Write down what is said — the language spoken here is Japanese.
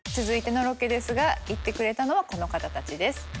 続いてのロケですが行ってくれたのはこの方たちです。